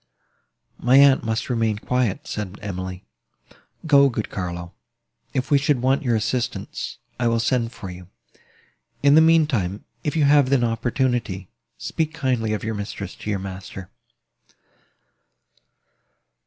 "My aunt must remain quiet," said Emily. "Go, good Carlo; if we should want your assistance, I will send for you. In the mean time, if you have an opportunity, speak kindly of your mistress to your master."